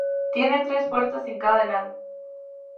Tienen tres puertas en cada lado.